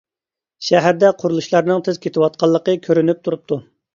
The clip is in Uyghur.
شەھەردە قۇرۇلۇشلارنىڭ تېز كېتىۋاتقانلىقى كۆرۈنۈپ تۇرۇپتۇ.